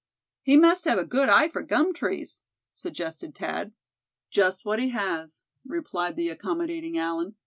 "He must have a good eye for gum trees?" suggested Thad. "Just what he has," replied the accommodating Allan.